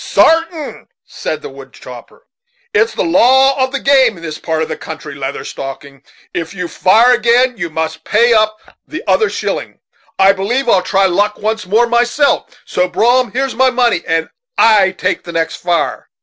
"Sartain," said the wood chopper; "it's the law of the game in this part of the country, Leather Stocking. If you fire agin you must pay up the other shilling. I b'lieve I'll try luck once more myself; so, Brom, here's my money, and I take the next fire."